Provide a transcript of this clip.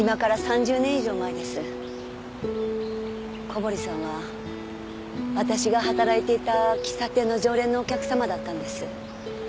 小堀さんは私が働いていた喫茶店の常連のお客様だったんです。